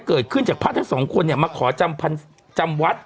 เกิดขึ้นจากพระทั้งสองคนเนี่ยมาขอจำวัด